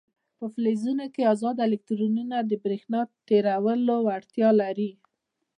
په فلزونو کې ازاد الکترونونه د برېښنا تیرولو وړتیا لري.